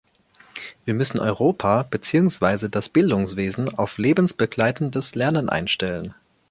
Wir müssen Europa beziehungsweise das Bildungswesen auf lebensbegleitendes Lernen einstellen.